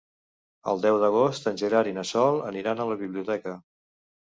El deu d'agost en Gerard i na Sol aniran a la biblioteca.